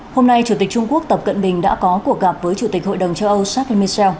hôm nay chủ tịch trung quốc tập cận bình đã có cuộc gặp với chủ tịch hội đồng châu âu charles michel